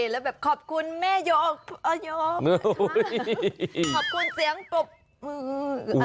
แล้วแบบขอบคุณแม่โยมโยมขอบคุณเสียงปรบมือ